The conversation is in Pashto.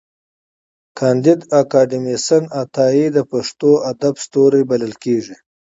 کانديد اکاډميسن عطايي د پښتو ادب ستوری بلل کېږي.